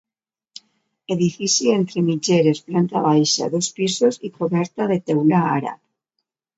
Edifici entre mitgeres, planta baixa, dos pisos, i coberta de teula àrab.